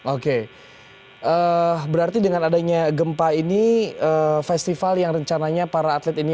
oke berarti dengan adanya gempa ini festival yang rencananya para atlet ini